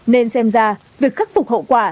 nên xem ra việc khắc phục hậu quả